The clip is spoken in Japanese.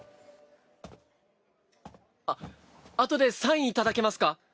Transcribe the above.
あっあとでサイン頂けますか？